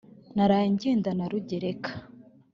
Naraye ngenda na Rugereka